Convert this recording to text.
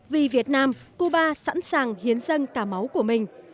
vì việt nam cuba sẵn sàng hiến dâng cả máu của mình